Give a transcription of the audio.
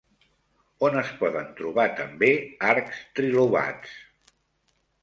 On es poden trobar també arcs trilobats?